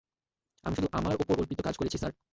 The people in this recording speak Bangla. আমি শুধু আমার ওপর অর্পিত কাজ করেছি, স্যার।